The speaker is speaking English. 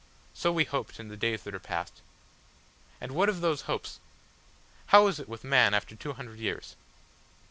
So we hoped in the days that are past. And what of those hopes? How is it with man after two hundred years?